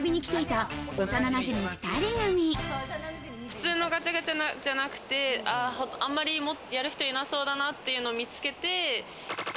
普通のガチャガチャじゃなくて、あんまりやる人いなそうだなっていうのを見つけて。